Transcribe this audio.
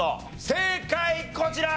正解こちら！